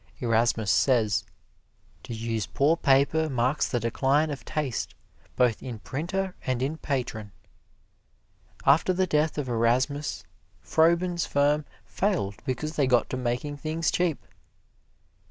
Erasmus says, "To use poor paper marks the decline of taste, both in printer and in patron." After the death of Erasmus, Froben's firm failed because they got to making things cheap.